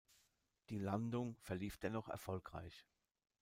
Die Landung verlief dennoch erfolgreich.